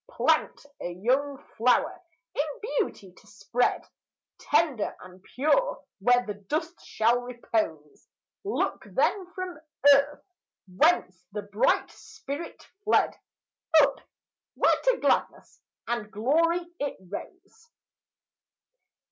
Plant a young flower, in beauty to spread, Tender and pure, where the dust shall repose. Look then from earth, whence the bright spirit fled, Up, where to gladness and glory it rose.